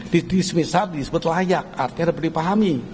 di disemisal disebut layak artinya lebih dipahami